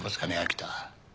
秋田。